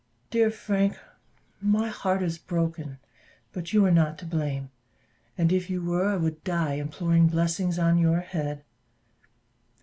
Dear Frank, my heart is broken; but you are not to blame; and if you were, I would die imploring blessings on your head."